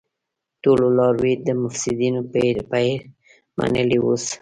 ټولو لاروی د مفسيدينو پير منلی اوس